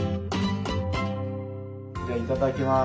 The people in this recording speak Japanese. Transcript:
じゃあいただきます。